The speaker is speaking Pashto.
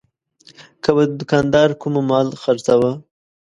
که به دوکاندار کوم مال خرڅاوه.